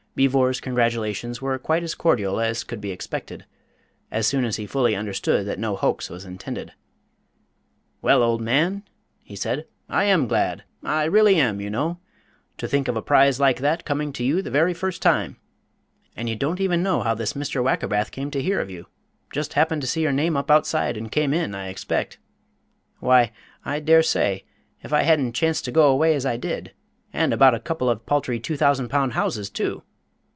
Beevor's congratulations were quite as cordial as could be expected, as soon as he fully understood that no hoax was intended. "Well, old man," he said, "I am glad. I really am, you know. To think of a prize like that coming to you the very first time! And you don't even know how this Mr. Wackerbath came to hear of you just happened to see your name up outside and came in, I expect. Why, I dare say, if I hadn't chanced to go away as I did and about a couple of paltry two thousand pound houses, too!